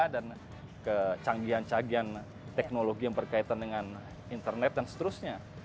dan kecanggihan canggihan teknologi yang berkaitan dengan internet dan seterusnya